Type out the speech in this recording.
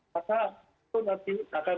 masalah itu nanti akan